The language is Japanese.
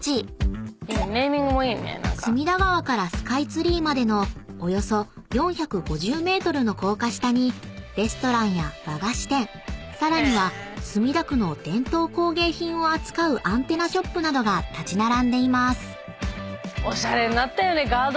［隅田川からスカイツリーまでのおよそ４５０ｍの高架下にレストランや和菓子店さらには墨田区の伝統工芸品を扱うアンテナショップなどが立ち並んでいます］